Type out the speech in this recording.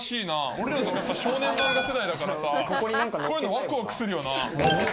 俺らやっぱ少年漫画世代だからさこういうのわくわくするよな。